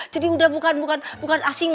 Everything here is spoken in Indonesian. jadi udah bukan bukan bukan asing